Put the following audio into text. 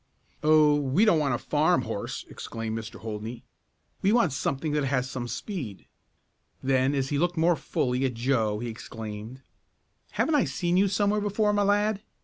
"Oh, we don't want a farm horse!" exclaimed Mr. Holdney. "We want something that has some speed." Then, as he looked more fully at Joe he exclaimed: "Haven't I seen you somewhere before, my lad?